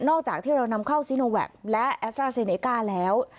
นอกจากที่เรานำเข้าและแล้ว